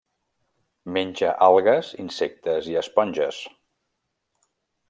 Menja algues, insectes i esponges.